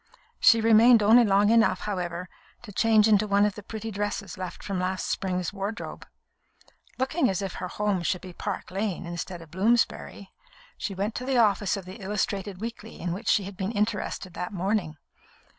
She remained only long enough, however, to change into one of the pretty dresses left from last spring's wardrobe. Looking as if her home should be Park Lane instead of Bloomsbury, she went to the office of the illustrated weekly in which she had been interested that morning.